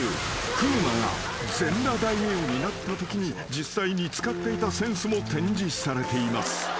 風磨が全裸大名になったときに実際に使っていた扇子も展示されています］